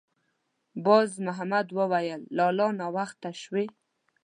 باز محمد ویې ویل: «لالا! ناوخته شوې.»